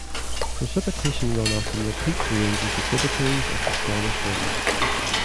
Precipitation runoff from the peak drains into tributaries of the Squamish River.